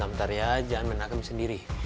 bentar ya jangan menangkap sendiri